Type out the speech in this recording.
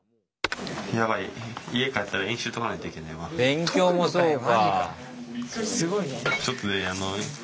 勉強もそうか。